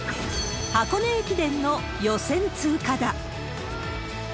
箱根駅伝の予選通過だ。